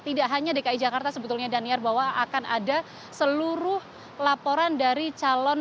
tidak hanya dki jakarta sebetulnya daniar bahwa akan ada seluruh laporan dari calon